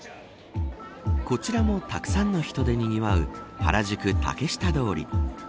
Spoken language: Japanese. こちらもたくさんの人でにぎわう原宿、竹下通り。